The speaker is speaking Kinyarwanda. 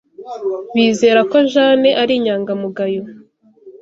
Bizera ko Jane ari inyangamugayo.